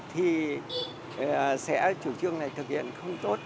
thì sẽ chủ trương này thực hiện không tốt